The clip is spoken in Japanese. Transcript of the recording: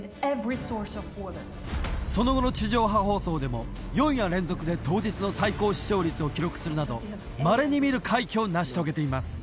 その後の地上波放送でも４夜連続で当日の最高視聴率を記録するなどまれに見る快挙を成し遂げています